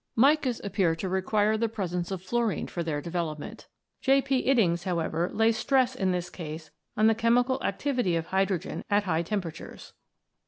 Micas appear to require the presence of fluorine for their development. J. P. Iddings(6D, how ever, lays stress in this case on the chemical activity of hydrogen at high temperatures.